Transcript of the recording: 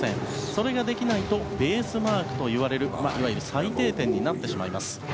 それができないとベースマークといわれるいわゆる最低点になってしまいます。